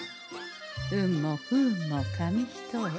運も不運も紙一重。